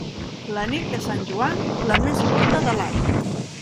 La nit de Sant Joan, la més curta de l'any.